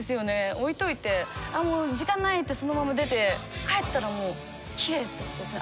置いといてもう時間ないってそのまま出て帰ったらもうきれいってことですよね